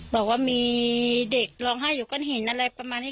บอกว่ามีเด็กร้องไห้อยู่ก้อนหินอะไรประมาณนี้